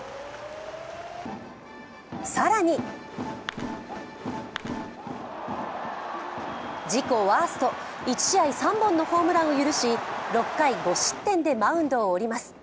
更に自己ワースト１試合３本のホームランを許し６回５失点でマウンドを降ります。